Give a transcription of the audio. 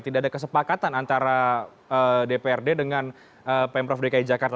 tidak ada kesepakatan antara dprd dengan pemprov dki jakarta